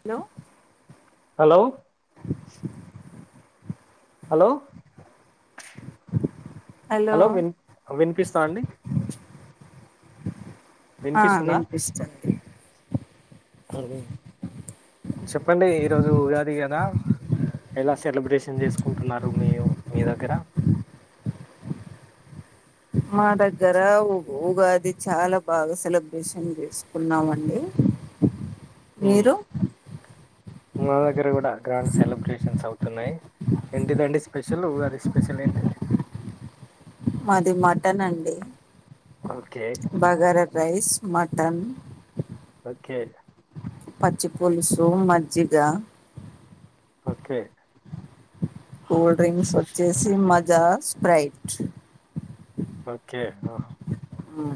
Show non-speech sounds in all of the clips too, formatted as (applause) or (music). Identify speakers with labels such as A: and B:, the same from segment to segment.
A: Hello
B: hello hello hello విన్ వినిపిస్ తా అండి
A: ఆ వినిపిస్తుంది
B: హ్మ్ చెప్పండి ఈరోజు ఉగాది కదా, ఎలా సెలబ్రేషన్ చేసుకుంటున్నారు మీ మీ దగ్గర
A: మా దగ్గర ఉగాది చాలా బాగా సెలబ్రేషన్ చేసుకున్నామండి
B: ఉమ్
A: మీరు
B: మా దగ్గ దగర కూడా గ్రాండ్ సెలబ్రేషన్స్ అవు తున్నాయి ఏంటిదండి స్పెషల్ ఉగాది స్పెషల్ ఏంటిది
A: మాది మటన్ అండి
B: ఓకే
A: బగర రైస్ మటన్
B: ఒకేలా
A: పచ్చి పులుసు మజ్జిగ
B: ఓకే
A: కూల్డ్రింక్స్ వచ్చేసి మజా స్ప్రైట్
B: ఓకే
A: అవును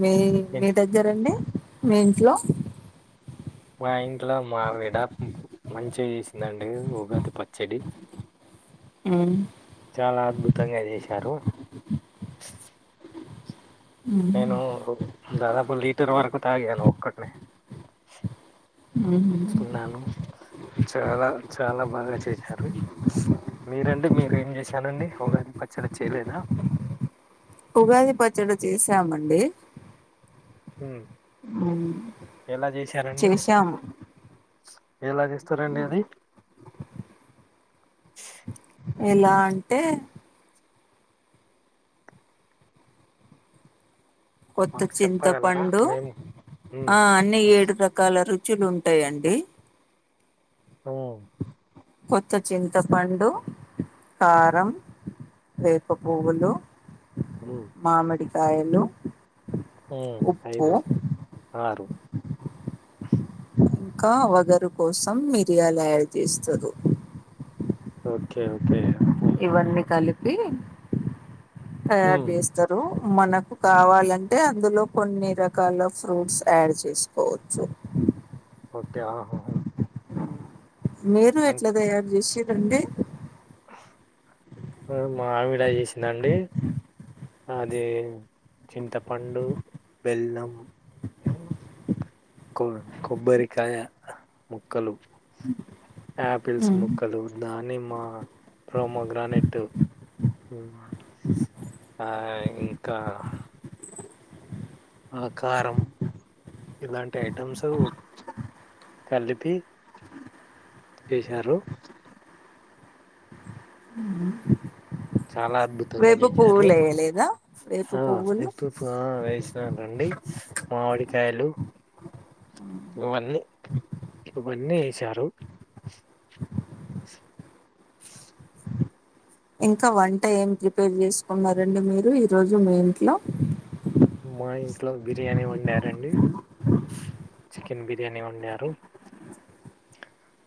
A: మీ మీ
B: ఏంటి
A: దగ్గరండి మీ ఇంట్లో
B: మా ఇంట్లో మా విడా మంచి చేసిందండి ఉగాది పచ్చడి
A: ఉమ్
B: చాలా అద్భుతంగా చేశారు
A: ఉ
B: నేను దాదాపు లీటర్ వరకు తాగాను ఒక్కటినే చిన్నాను చాలా చాలా బాగా చేశారు మీరంటే మీర ఏం చేశానండి ఉగాది పచ్చడ
A: ఉగాది పచ్చడి చేసామండి
B: ఎలా చేశారండి
A: చేసాము
B: ఎలా చేస్తారండి అది.
A: ఎలా అంటే కొత్త
B: మాకు చెప్పగలరా
A: చింతపండు
B: మేము ఉమ్
A: ఆ అన్ని ఏడు రకాల రుచ (unintelligible) ఉంటాయంండి
B: అ
A: కొత్త చింతపండు కారం వేప పువ్వులు మామిడి కాయలు
B: హ ఐదు ఆరు
A: ఇంకా వగరు కోసం మిరియాలు యాడ్ చేస్తారు
B: ఓకే ఓకే ఆహా
A: ఇవన్నీ కలిపి రీ తయరు
B: ఉమ్
A: చేస్తారు మనకు కావాలంటే అందులో కొన్ని రకాల ఫ్రూట్స్ యాడ్ చేసుకోవచ్చు
B: ఒకే
A: మీరు ఎట్లా తయారు చేసే తంది
B: మా ఆవిడ చేసిందండి అది చింతపండు బెల్లం కొ కొబ్బరికాయ ముక్కలు యాపిల్స్ ముక్కలు దానిమ్మ ప్రోమో గ్రనెట్ ఆ ఇంకా ఆకారం ఇలాంటి ఐటమ్స్ కలిపి చేశారు చాలా అద్భుతంగా
A: వేప
B: చేశారు
A: పువ్వులు వేయలేదా వేప పువ్వులు
B: వేస్తాను రండి మామిడికాయలు ఇవన్నీ ఇవన్నీ వసారు
A: ఇంకా వంట ఏం ప్రిపేర్ చేసుకున్నారండి మీరు ఈరోజు మీ ఇంట్లో
B: మా ఇంట్లో బిర్యానీ వండారండి చికెన్ బిర్యానీ వండారు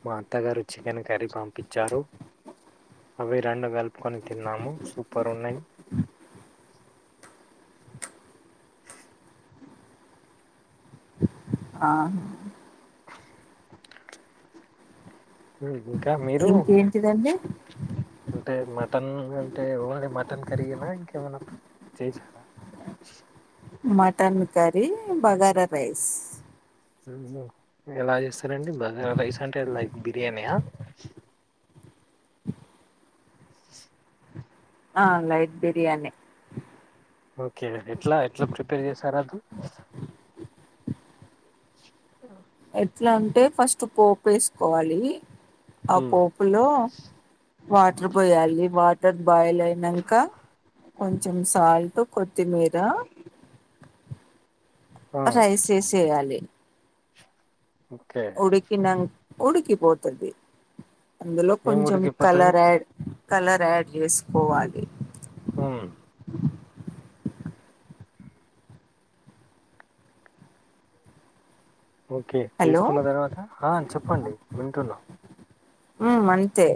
B: మా అత్తగారు చికెన్ కర్రీ పంపించారు అవి రెండు కలుపుకొని తిన్నాము సూపర్ ఉన్నాయి
A: ఆ
B: హ
A: ఇంకేంటిదండి
B: అంటే మటన్ అంటే ఓన్లీ మటన్ కరీగిన ఇంకేమైనా చేసారా
A: మటన్ కరీ బగార రైస్
B: ఎలా చేస్తారంండి బగర్ రైస్ అంటే లైక్ బిర్యానీయా
A: ఆ రైట్ బిర్యానీ
B: ఓకే ఎట్లా ఎట్లా ప్రిపేర్ చేసార అది
A: ఎట్లా ఉంటే ఫస్ట్ పోపు వేసుకోవాలి ఆ
B: ఉమ్
A: పోపులో వాటర్ పోయాలి వా తది బాయల్ అయినాక కొంచెం సాల్ట్ కొత్తిమీర అ
B: ఉమ్
A: రై స చేయాలి
B: ఓకే
A: ఉడికి నంగ్ ఉడుకిపోతుంది అందులో
B: ఏం
A: కొంచం
B: ఉడికిపోతాయి
A: కలర్ ఆడ్ కలర్ యాడ్ చేసుకోవాలి.
B: అవును ఓకే
A: హలో
B: చేసుకున్న తర్వాత ఆ చెప్పండి వింటున్నా
A: ఉ అంతే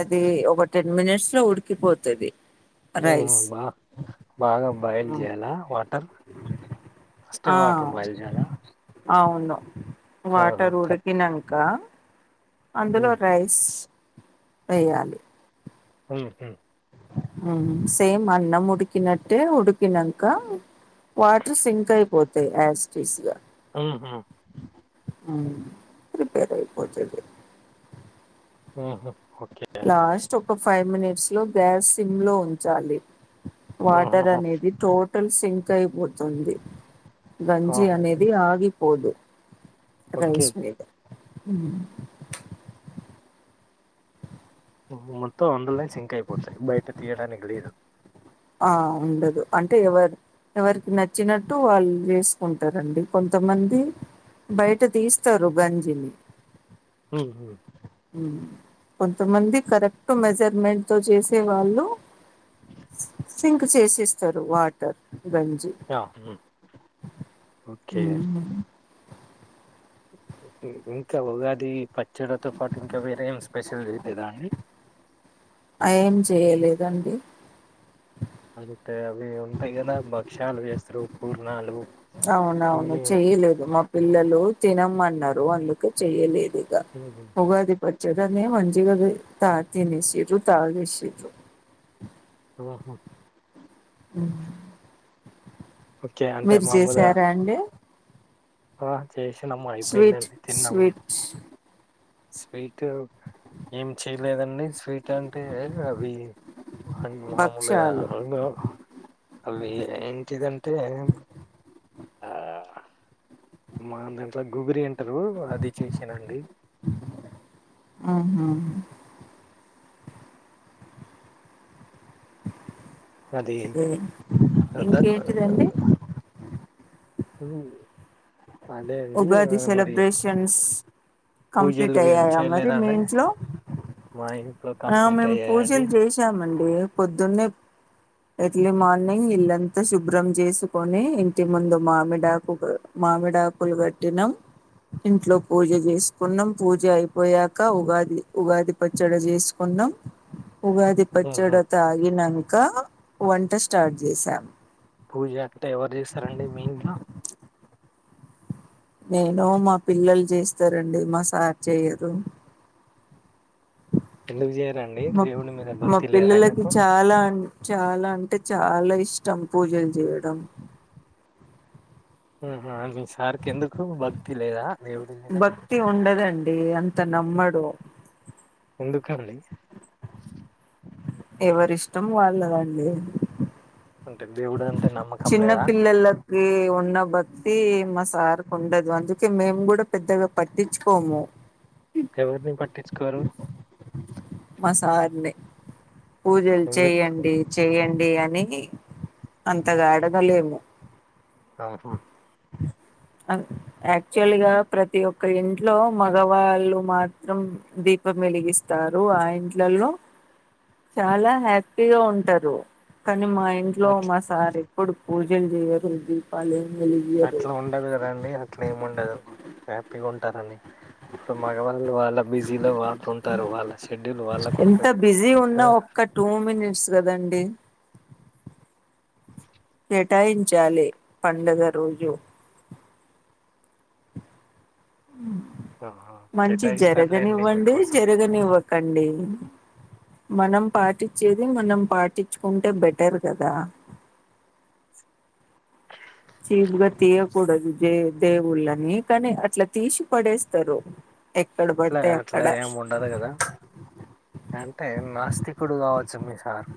A: అది ఒక టెన్ మినిట్స్ లో ఉడికిపోతది.
B: హుహ్
A: రైస్
B: బా బాగాం బాయిల్ చేయాలా వాటర్ ఫస్టే
A: ఆ
B: వాటర్ బాయిల్ చేయాలా.
A: అవును.
B: ఆ
A: వాటర్
B: ఆ
A: ఊడికినం ంకా అందులో
B: ఉమ్
A: రైస్ వెయ్యాలి.
B: హుహ్
A: హ్ సేమ్ అన్నం ఉడికినట్టే ఉడికినంక వాటర్ సింక్ అయిపోతయి యాస్టీస్ గా.
B: ఉమ్ ఉమ్
A: హ్ ప్రిపేర్ అయిపోతది.
B: ఆహఓ
A: లాస్ట్ ఒక ఫైవ్ మినిట్స్ లో గ్యాస్ సిమ్ లో ఉంచాలి. వాటర్
B: ఆహా
A: అనేది టో టల్ సింక్ అయిపో తుంది గంజి
B: ఆహా
A: అనేది ఆవిరి పొదు
B: ఓకే
A: రైస్ మీదే ఉ
B: ఒహా మొత్తం అందుల్నే సింకయిపోతయి బయట తీయటానికి లేదు.
A: ఆ ఉండదు అంటే ఎవరు ఎవరికి నచ్చినట్టు వాళ్ళు చేసుకుంటారండి, కొంతమంది బయట తీస్తారు గంజిని.
B: హ్ హు
A: కొంతమంది కరెక్ట్ మెజర్మెంట్ తో చేసే వాళ్ళు సింక్ చేసిస్తారు వాటర్. గంజి
B: ఆ, ఉమ్, ఓకే
A: హ్ హు
B: ఇంకా ఉగాది పచ్చడతో పాటు ఇంకా వేరే ఏం స్పెషల్ చేయలేదా అండి.
A: ఆ ఏం చేయలేదండి.
B: అంటే అవి ఉంటాయి కదా భక్ష్యాలు చేస్తరు, పూర్ణాలు. ఉమ్,
A: అవునవును చెయలేదు మా పిల్లలు తినమన్నారు అందుకే చెయ్యలేదు ఇగ
B: ఉమ్, ఉమ్,
A: ఉగాది పచ్చడి దనే మంచిగా తా తినసిరు తగేసిరు
B: ఆహో
A: మ్
B: ఓకే అంటే
A: మీరు
B: మామూలుగా
A: చేసారా అండి
B: ఆ చేసినాము
A: స్వీట్
B: అయిపోయిందళ్ళీ తిన్నాము
A: స్వీట్
B: స్వీట్ ఎంచి లేదండి స్వీట్ ఏంటంటే అవి మామూలుగా
A: భక్షాలు.
B: అవును అవి ఏంటిదంటే ఆ మాదంత్ల గుబిరి అ లు అది చేసానండి
A: ఆహా!
B: అది
A: ఎ
B: అద
A: ఇంకేంటిదండి
B: మ్
A: ఉగాదిసెలబ్రేషన్స్ కంప్లీట్
B: పూజలు ఏం
A: అయ్యాయ మరి మీ
B: చేయలేదండి
A: ఇంట్లో,
B: మా ఇంట్లో కంప్లీట్
A: మేము
B: అయ్యాయండి
A: పూజలు చేసామండి పొద్దున్నే ఎర్లీ మార్నింగ్ ఇల్లంతా శుభ్రం చేసుకొని ఇంటి ముందు మామిడాకు మామిడా అప్పులు కట్టినాం, ఇంట్లో పూజ చేసుకున్నాం పూజ అయిపోయాక ఉగాది, ఉగాది పచ్చడి చేసుకున్నాం. ఉగాది పచ్చడ
B: ఉహు
A: తాగినంక వంట స్టార్ట్ చేసాం
B: పూజ అంటే ఎవరు చేస్తారండి మీ ఇంట్లో
A: నేను మా పిల్లలు చేస్తారండి మా సార్ చేయరు
B: ఎందుకు చేయాలండి
A: మా
B: దేవుడి మీద
A: మా
B: భక్తి లేదు
A: పిల్లలకి
B: ఆయనకు
A: చాలా చాలా అంటే చాలా ఇష్టం పూజలు చేయడం తం
B: హ హా సార్కి ఎందుకు భక్తి లేదా దేవుడి మీద
A: భక్తి ఉండదం ండి అంత నమ్మడు
B: ఎందుకు అండి
A: ఎవరిష్టం వాళ్ళదండి
B: అంటే దేవుడు నమ్మకం
A: చిన్న
B: లేదా
A: పిల్లెలకి ఉన్న భక్తి మ సార్ ఉండదు అందుకే మేము కూడా పెద్దగా పట్టించుకోము
B: ఎవరిని పట్టించుకోరు
A: సార్ ని పూజలు
B: ఎందుకు
A: చెయ్యండి చేయన్ దయానికి అంతగా అడగలేము
B: కంఫర్ట్
A: యాక్చువల్ గా ప్రతి ఒక్క ఇంట్లో మగవాళ్ళు మాత్రం దీపం వెలిగిస్తారు. ఆ ఇంట్లలో చాలా హ్యాపీగా ఉంటారు కాని మా ఇంట్లో
B: అట్
A: మా సారు ఇప్పుడు పూజలు చేయరు దీపాలు వెలిగియరు
B: అట్లా ఉండదు కదండి అట్లా ఏమి ఉండదు హ్యాపీగా ఉంటారని అప్పుడు మగవాళ్ళు వాళ్ళ బిజీలో వాళ్ళు ఉంటారు వాళ్ళ షెడ్యూల్ వాళ్ళకు
A: ఎంత
B: ఉంటుంది.
A: బిజీ
B: ఆ
A: ఉన్నా ఒక్క టూ మినిట్స్ కదండి కేటాయించాలి పండుగ రోజు
B: ఆ,
A: మంచి
B: కేటాయిస్తారులేండి
A: జరగనివ్వండి
B: మీకోసం
A: జరగనివ్వకండి మనం పాటించేది మనం పాటించుకుంటే బెటర్ కదా చీపుగా తీయకూడదు జె దేవుళ్ళని కానీ అట్లా తీసి పడేస్తారు. ఎక్కడ
B: అట్లా
A: పడితే అక్కడ
B: అట్లా ఏమి ఉండదు కదా అంటే నాస్తికుడు కావచ్చు మీ సార్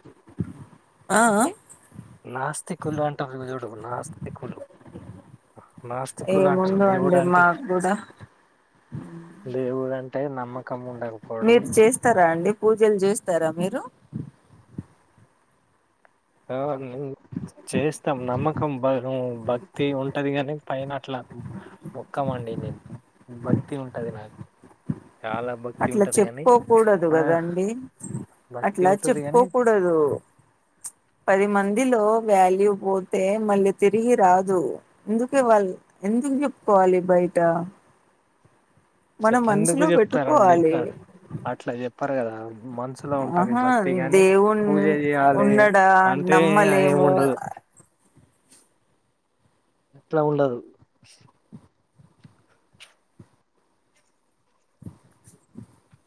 A: ఆ
B: నాస్తికులు అంటరు చూడు నాస్తికులు నాస్తికులు అంటారు
A: ఏముందో అండి
B: దేవుడంటే,
A: మాకు కూడా
B: దేవుడంటే నమ్మకం ఉండకపోవడం.
A: మీరు చేస్తారా అండి పూజలు చేస్తారా మీరు?
B: ఆ మేము చేస్తాం నమ్మకం బ భక్తి ఉంటది కానీ పైన అట్ల ముఖం అండి నేను భక్తి ఉంటది నాకు. చాలా భక్తి
A: అట్లా
B: ఉంటది కాని
A: చెప్పుకోకూడదు
B: ఆ
A: కదండి
B: భక్తి
A: అట్లా
B: ఉంటది కాని
A: చెప్పుకోకూడదు. పది మందిలో వాల్యూ పోతే మళ్ళీ తిరిగి రాదు. ఎందుకు ఇవల్ ఎందుకు చెప్పుకోవాలి బయట. మన
B: ఎందుకు
A: మనసులో
B: చెప్తారండి
A: పెట్టుకోవాలి
B: ఆ అట్ల చెప్పారు కదా మనసులో ఉంటాది
A: ఆహా
B: భక్తి కాని
A: దేవున్
B: పూజ చేయాలి
A: ఉన్నడా
B: అంటే అ
A: నమ్మలేము
B: ఏముండదు. అట్ల ఉండదు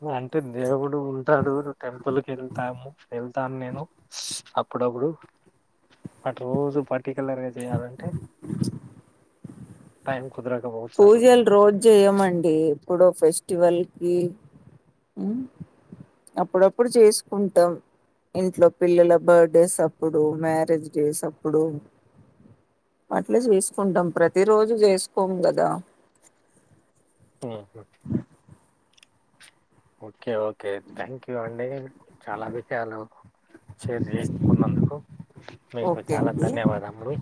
B: వ అంటే దేవుడు ఉంటాడు టెంపుల్ కి వెళ్తాము. వెళ్తాను నేను అప్పుడప్పుడు అటు రోజు పట్ పర్టికులర్ గా చేయాలంటే టైం కుదరకపోవచ్చు అట్లా
A: పూజలు రోజు చేయమండి ఎప్పుడో ఫెస్టివల్ ఈ ఉమ్ అప్పుడప్పుడు చేసుకుంటాం. ఇంట్లో పిల్లల బర్త్డేస్ అప్పుడు మ్యారేజ్ డేస్ అప్పుడు అట్లా చేసుకుంటాం ప్రతి రోజు చేసుకోము కాడ్ దా
B: ఉహ్ ఉమ్ ఓకే ఓకే థ్యాంక్ యూ అండి చాలా విషయాలు షేర్ చేసుకున్నందుకు మీకు
A: ఓకే
B: చాలా
A: అండి
B: ధన్యవాదములు.